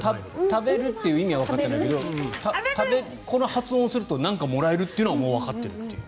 「食べる」という意味はわかってないけどこの発音をすると何かもらえるっていうのはもうわかっているっていう。